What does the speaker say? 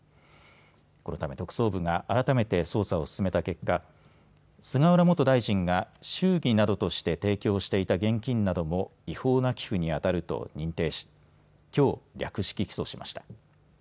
このため特捜部が改めて捜査を進めた結果、菅原元大臣が祝儀などとして提供していた現金なども違法な寄付にあたると認定し、きょう、略式起訴しました。